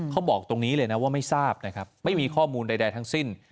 เขาบอกตรงนี้เลยนะว่าไม่ทราบนะครับไม่มีข้อมูลใดทั้งสิ้น